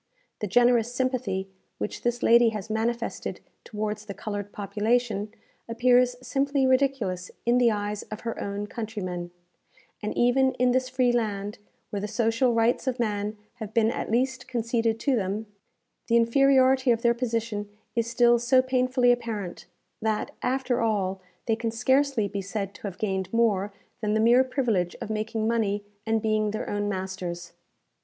The generous sympathy which this lady has manifested towards the coloured population appears simply ridiculous in the eyes of her own countrymen; and even in this free land, where the social rights of man have been at least conceded to them, the inferiority of their position is still so painfully apparent, that, after all, they can scarcely be said to have gained more than the mere privilege of making money and being their own masters.